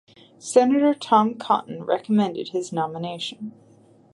Senator Tom Cotton recommended his nomination.